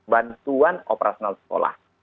bantuan operasional sekolah